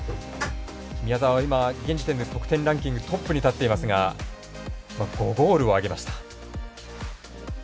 宮澤は今現時点で得点ランキングトップに立っていますが５ゴールを挙げました。